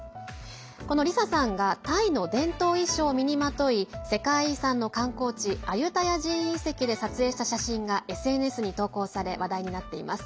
このＬＩＳＡさんがタイの伝統衣装を身にまとい世界遺産の観光地アユタヤ寺院遺跡で撮影した写真がＳＮＳに投稿され話題になっています。